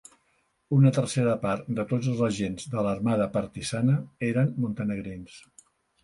Una tercera part de tots els agents de l"armada partisana eren montenegrins.